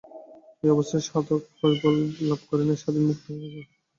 এই অবস্থায় সাধক কৈবল্য লাভ করেন, স্বাধীন ও মুক্ত হইয়া যান।